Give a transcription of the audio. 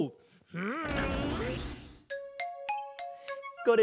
うん。